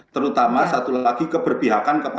terutama satu lagi keberpihakan kepada